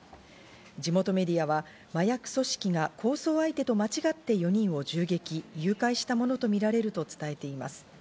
地元メディアは麻薬組織が抗争相手と間違って４人を銃撃、誘拐したものとみられると伝えています。